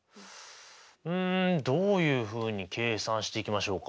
うんどういうふうに計算していきましょうか。